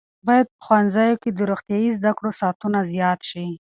باید په ښوونځیو کې د روغتیايي زده کړو ساعتونه زیات شي.